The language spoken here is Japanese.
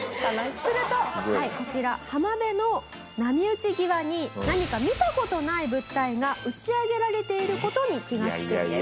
するとこちら浜辺の波打ち際に何か見た事ない物体が打ち上げられている事に気が付くんです。